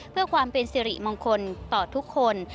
เพื่อความเป็นสิริมงคลต่อทุกคน